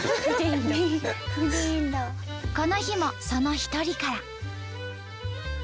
この日もその一人から。